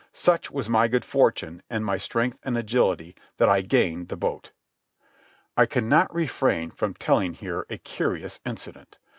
Such was my good fortune, and my strength and agility, that I gained the boat. I cannot refrain from telling here a curious incident.